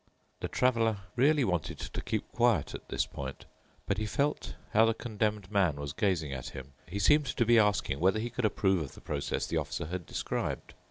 The Traveler really wanted to keep quiet at this point, but he felt how the Condemned Man was gazing at him—he seemed to be asking whether he could approve of the process the Officer had described.